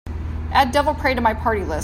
add Devil Pray to my party list